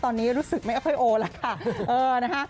ตอนนี้รู้สึกไม่เอาค่อยโอนะคะ